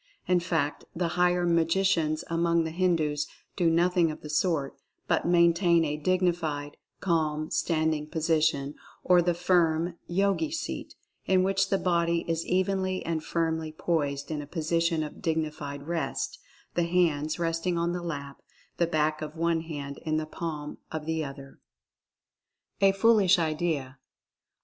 In fact, the higher magicians among the Hindus do nothing of the sort, but maintain a dignified, calm, standing position, or the firm "Yogi seat," in which the body is evenly and firmly poised in a position of dignified rest, the hands resting on the lap, the back of one hand in the palm of the other. A FOOLISH IDEA.